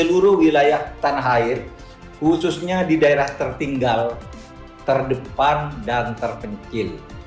seluruh wilayah tanah air khususnya di daerah tertinggal terdepan dan terpencil